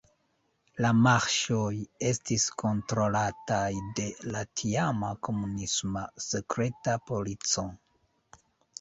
La marŝoj estis kontrolataj de la tiama komunisma sekreta polico.